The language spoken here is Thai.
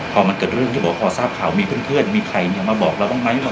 พอมันเกิดเรื่องที่บอกว่าพอทราบข่าวมีเพื่อนมีใครมาบอกเราบ้างไหม